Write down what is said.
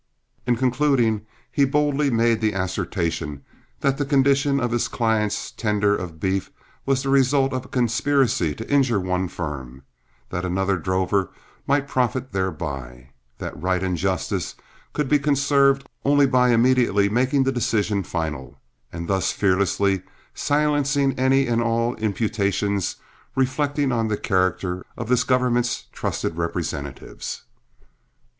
In concluding, he boldly made the assertion that the condition of his client's tender of beef was the result of a conspiracy to injure one firm, that another drover might profit thereby; that right and justice could be conserved only by immediately making the decision final, and thus fearlessly silencing any and all imputations reflecting on the character of this government's trusted representatives.